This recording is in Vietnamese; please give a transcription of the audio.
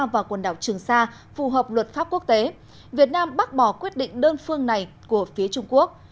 và quần đảo trường sa phù hợp luật pháp quốc tế việt nam bác bỏ quyết định đơn phương này của phía trung quốc